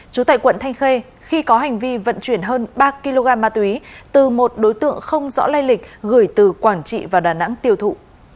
trú tại quận thanh khê khi có hành vi vận chuyển hơn ba kg ma túy từ một đối tượng không rõ lai lịch gửi từ quảng trị vào đà nẵng tiêu thụ